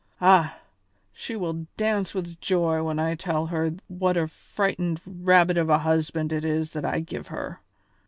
Ah! she will dance with joy when I tell her what a frightened rabbit of a husband it is that I give her.